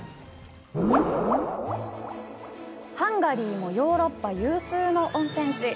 ハンガリーもヨーロッパ有数の温泉地。